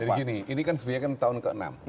jadi gini ini kan sebenarnya tahun ke enam